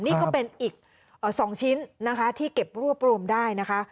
นี่ก็เป็นอีก๒ชิ้นนะคะที่เก็บรวบรวมได้นะคะ